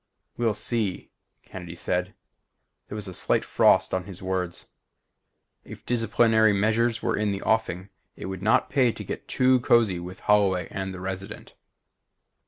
"We'll see," Kennedy said. There was a slight frost on his words. If disciplinary measures were in the offing it would pay not to get too cozy with Holloway and the Resident.